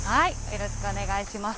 よろしくお願いします。